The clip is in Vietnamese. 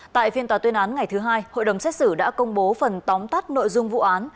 tại phiên tòa tuyên án ngày thứ hai hội đồng xét xử đã công bố phần tóm tắt nội dung vụ án